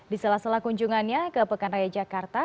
di salah salah kunjungannya ke pekan raya jakarta